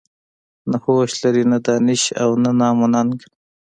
نه هوش لري نه دانش او نه نام و ننګ.